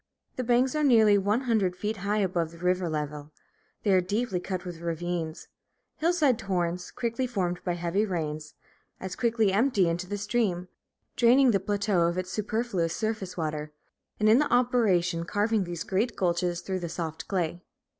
The banks are nearly one hundred feet high above the river level. They are deeply cut with ravines. Hillside torrents, quickly formed by heavy rains, as quickly empty into the stream, draining the plateau of its superfluous surface water, and in the operation carving these great gulches through the soft clay.